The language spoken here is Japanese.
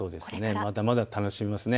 まだまだ楽しめますね。